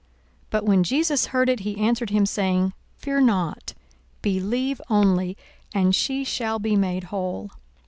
42:008:050 But when Jesus heard it, he answered him, saying, Fear not: believe only, and she shall be made whole.